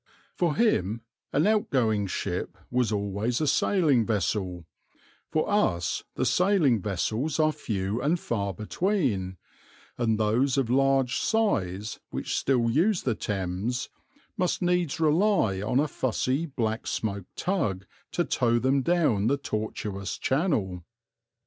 For him an out going ship was always a sailing vessel; for us the sailing vessels are few and far between, and those of large size which still use the Thames must needs rely on a fussy, black smoked tug to tow them down the tortuous channel.